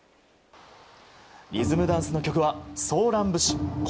リズムダンスの曲は「ソーラン節＆琴」。